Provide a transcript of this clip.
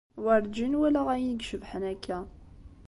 Werǧin walaɣ ayen i icebḥen akka.